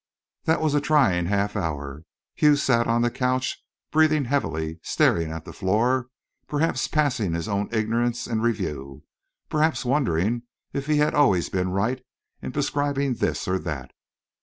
That was a trying half hour. Hughes sat on the couch, breathing heavily, staring at the floor, perhaps passing his own ignorance in review, perhaps wondering if he had always been right in prescribing this or that.